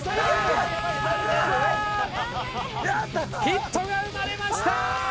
ヒットが生まれました！